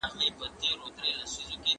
د نیکه او د بابا په کیسو پايي